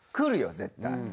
絶対。